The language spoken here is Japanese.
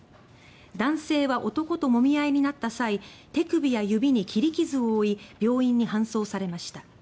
男性は男ともみ合いになった際手首や指に切り傷を負い病院に搬送されました。